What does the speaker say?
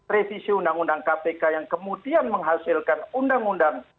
revisi undang undang kpk yang kemudian menghasilkan undang undang